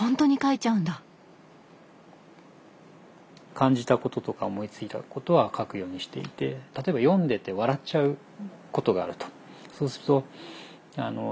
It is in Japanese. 感じたこととか思いついたことは書くようにしていて例えば読んでて笑っちゃうことがあると。